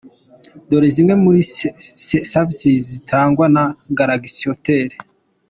Dore zimwe muri services zitangwa na Galaxy Hotel:.